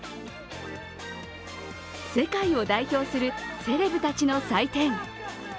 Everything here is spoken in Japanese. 世界を代表するセレブたちの祭典。